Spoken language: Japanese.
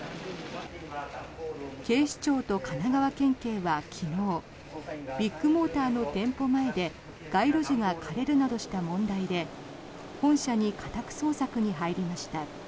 警視庁と神奈川県警は昨日ビッグモーターの店舗前で街路樹が枯れるなどした問題で本社に家宅捜索に入りました。